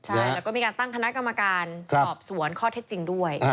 ใช่แล้วก็มีการตั้งคณะกรรมการสอบสวนข้อเท็จจริงด้วย